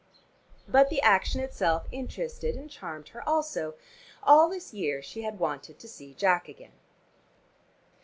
But the action itself interested and charmed her also: all this year she had wanted to see Jack again.